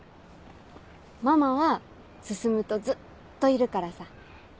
ママは進とずっといるからさ。